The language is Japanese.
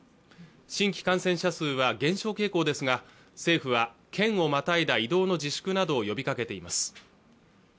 新規感染者数は減少傾向ですが政府は県をまたいだ移動の自粛などを呼びかけています